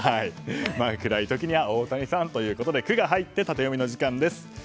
暗い時にはオオタニサンということで「ク」が入ってタテヨミの時間です。